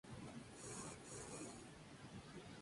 Tiene grandes hojas y generalmente son bellas al florecer.